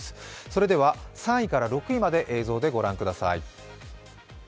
それでは３位から６位まで映像で御覧ください。